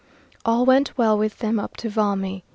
All went well with them up to Valmy.